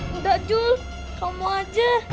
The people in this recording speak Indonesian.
nggak jul kamu aja